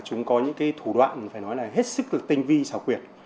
chúng có những cái thủ đoạn phải nói là hết sức tinh vi xảo quyệt